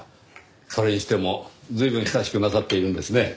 それにしても随分親しくなさっているんですね。